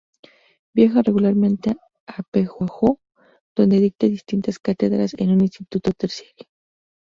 Viaja regularmente a Pehuajó donde dicta distintas cátedras en un instituto terciario.